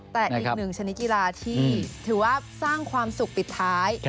แต่อีกหนึ่งชนิดกีฬาที่ถือว่าสร้างความสุขปิดท้าย